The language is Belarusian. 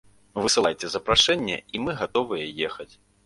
Высылайце запрашэнне і мы гатовыя ехаць.